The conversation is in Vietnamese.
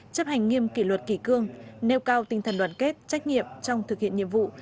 chấp hành nghiêm kỷ luật kỷ cương nêu cao tinh thần đoàn kết trách nhiệm trong thực hiện nhiệm vụ